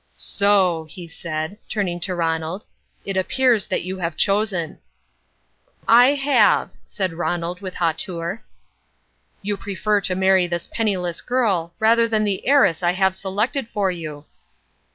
"So!" he said, turning to Ronald, "it appears that you have chosen!" "I have," said Ronald with hauteur. "You prefer to marry this penniless girl rather than the heiress I have selected for you."